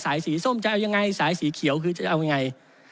สีส้มจะเอายังไงสายสีเขียวคือจะเอายังไง